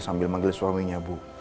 sambil manggil suaminya bu